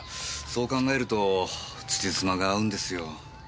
そう考えると辻褄が合うんですよ。